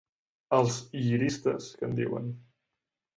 Els ‘lliristes’, que en diuen.